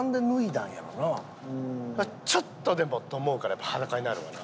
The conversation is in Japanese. ちょっとでもと思うからやっぱ裸になるんやな。